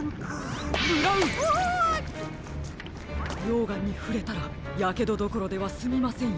ようがんにふれたらやけどどころではすみませんよ。